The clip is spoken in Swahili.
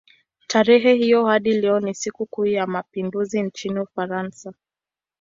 Tarehe hiyo hadi leo ni sikukuu ya mapinduzi nchini Ufaransa.